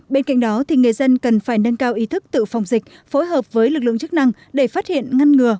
bên cạnh đó người dân cần phải nâng cao ý thức tự phòng dịch phối hợp với lực lượng chức năng để phát hiện ngăn ngừa